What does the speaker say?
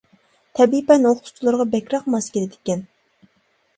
تەبىئىي پەن ئوقۇتقۇچىلىرىغا بەكرەك ماس كېلىدىكەن.